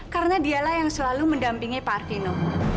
karena dialah yang selalu mendampingi pak arvino